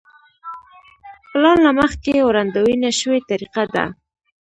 پلان له مخکې وړاندوينه شوې طریقه ده.